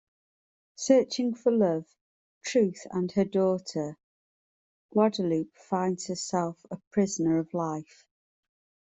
Searching for Love, Truth and her Daughter, Guadalupe finds herself a Prisoner of life.